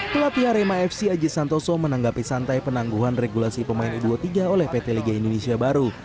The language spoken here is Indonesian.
pelatih arema fc aji santoso menanggapi santai penangguhan regulasi pemain u dua puluh tiga oleh pt liga indonesia baru